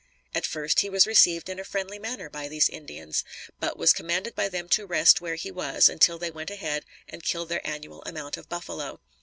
At first, he was received in a friendly manner by these Indians; but was commanded by them to rest where he was until they went ahead and killed their annual amount of buffalo.